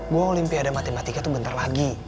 gue olimpiade matematika tuh bentar lagi